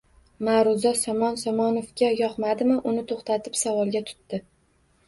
Ma`ruza Somon Somonovga yoqmadimi, uni to`xtatib savolga tutdi